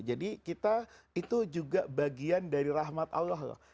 jadi kita itu juga bagian dari rahmat allah loh